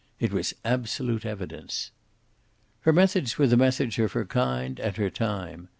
It was absolute evidence. Her methods were the methods of her kind and her time.